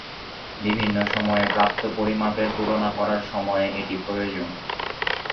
বিভিন্ন সময়ে প্রাপ্ত পরিমাপের তুলনা করার সময় এটি প্রয়োজন।